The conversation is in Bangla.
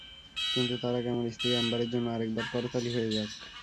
কিন্তু তার আগে, আমার স্ত্রী অ্যাম্বারের জন্য আরেকবার করতালি হয়ে যাক?